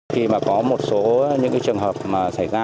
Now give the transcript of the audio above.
khi mà có một số những trường hợp mà xảy ra